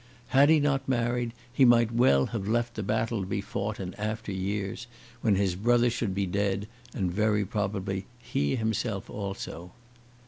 Had he not married, he might well have left the battle to be fought in after years, when his brother should be dead, and very probably he himself also.